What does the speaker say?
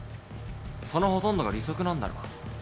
そのほとんどが利息なんだろ？